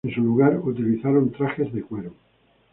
En su lugar, utilizaron trajes de cuero.